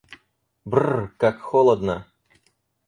Бр-р, как холодно!